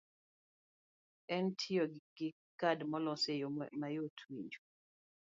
en tiyo gi kad molos e yo mayot winjo.